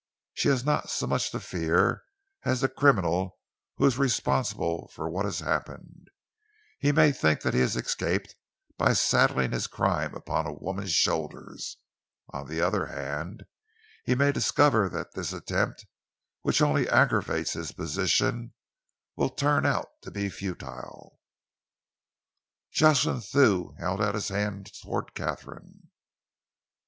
"She has not so much to fear as the criminal who is responsible for what has happened. He may think that he has escaped by saddling his crime upon a woman's shoulders. On the other hand, he may discover that this attempt, which only aggravates his position, will turn out to be futile." Jocelyn Thew held out his hand towards Katharine.